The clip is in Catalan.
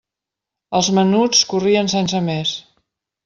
Els menuts corrien sense més.